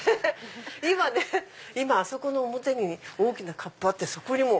今あそこの表に大きなカップあってそこにも。